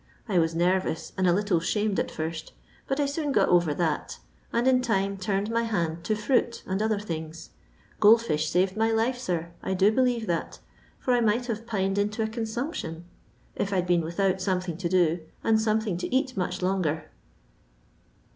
I was nervous, and a little 'shamed at first, but I soon got over that, and in time turned my hand to fruit and other things. Gfold fish saved my life, sir; I do believe that, for I might have pined into a consumption if I 'd been 80 LONDON LABOUR AND TUB LONDON POOR. without lomethuig to do, and ■omething to eat much longer."